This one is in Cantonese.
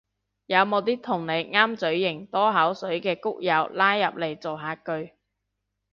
有冇啲同你啱嘴型多口水嘅谷友拉入嚟造下句